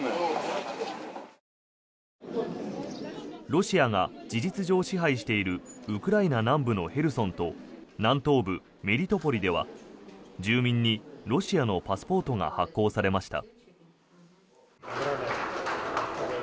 ロシアが事実上支配しているウクライナ南部のヘルソンと南東部メリトポリでは住民にロシアのパスポートが発行されました。